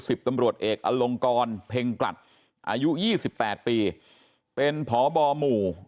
สิบตำรวจเอกอลงกรเพ็งกลัดอายุ๒๘ปีเป็นพบหมู่